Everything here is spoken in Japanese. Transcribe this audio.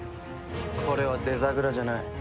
これはデザグラじゃない。